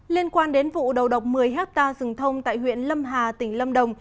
liên quan đến vụ đầu độc một mươi hectare rừng thông tại huyện lâm hà tỉnh lâm đồng